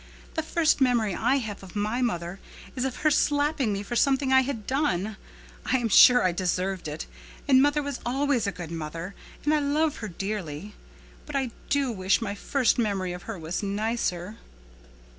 The first memory I have of my mother is of her slapping me for something I had done. I am sure I deserved it, and mother was always a good mother and I love her dearly. But I do wish my first memory of her was nicer."